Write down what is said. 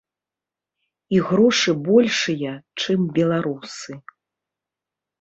І грошы большыя, чым беларусы.